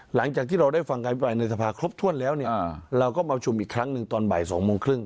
หลังจากที่เราได้ฟังการพิปรายในสภาครบถ้วนแล้วเนี่ยเราก็มาประชุมอีกครั้งหนึ่งตอนบ่าย๒โมงครึ่ง